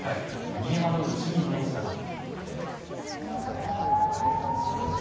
逃げ惑う市民の姿も。